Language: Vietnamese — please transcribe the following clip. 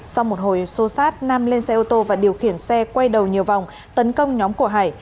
sau một hồi xô xát nam lên xe ô tô và điều khiển xe quay đầu nhiều vòng tấn công nhóm của hải